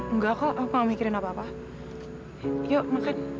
enggak kok aku gak mikirin apa apa yuk makan